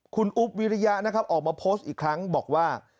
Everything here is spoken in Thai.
คุณอุ๊บวิริยะนะครับออกมาโพสต์อีกครั้งบอกว่า